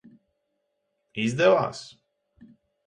Izdevās?